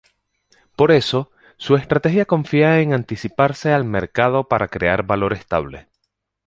Por eso, su estrategia confía en anticiparse al mercado para crear valor estable.